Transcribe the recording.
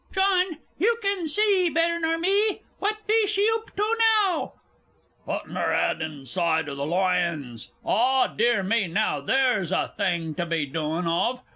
John, you can see better nor me what be she oop to now?... Puttin' 'er 'ed inside o' th' lion's? Aw, dear me, now there's a thing to be doin' of!